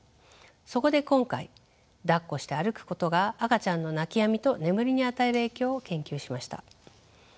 そこで今回だっこして歩くことが赤ちゃんの泣きやみと眠りに与える影響を研究しました。